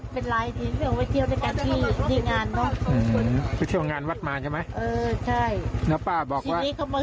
เป็นเงียวที่งานอ่าคือว่าตอนแรกเราบอกว่าเราไม่คบกับน้ำ